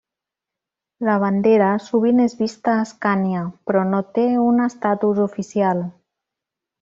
La bandera sovint és vista a Escània, però no té un estatus oficial.